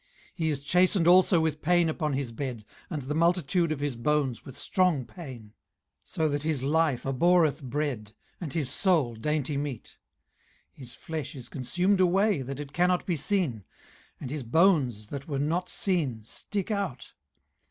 18:033:019 He is chastened also with pain upon his bed, and the multitude of his bones with strong pain: 18:033:020 So that his life abhorreth bread, and his soul dainty meat. 18:033:021 His flesh is consumed away, that it cannot be seen; and his bones that were not seen stick out.